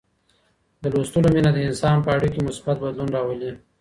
د لوستلو مینه د انسان په اړیکو کي مثبت بدلون راولي.